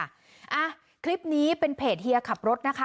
อ่ะคลิปนี้เป็นเพจเฮียขับรถนะคะ